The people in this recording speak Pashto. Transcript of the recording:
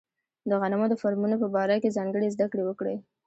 د غنمو د فارمونو په باره کې ځانګړې زده کړې وکړي.